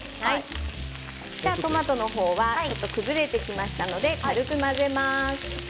トマトの方が崩れてきましたので軽く混ぜます。